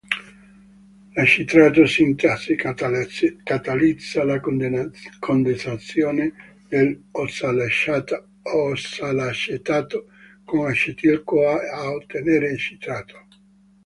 La citrato sintasi catalizza la condensazione dell'ossalacetato con acetil-CoA, a ottenere citrato.